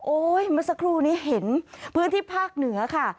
เมื่อสักครู่นี้เห็นพื้นที่ภาคเหนือค่ะ